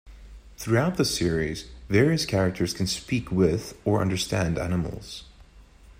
Throughout the series, various characters can speak with or understand animals.